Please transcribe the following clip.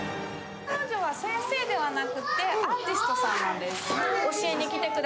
彼女は先生ではなくてアーティストさんなんです。